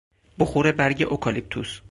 بخور برگ اکالیپتوس